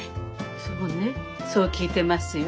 そうねそう聞いてますよ。